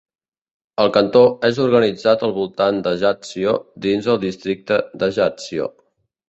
El cantó és organitzat al voltant d'Ajaccio dins el districte d'Ajaccio.